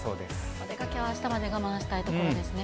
お出かけはあしたまで我慢したいところですね。